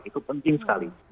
itu penting sekali